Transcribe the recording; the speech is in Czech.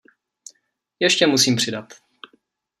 Ještě musím přidat.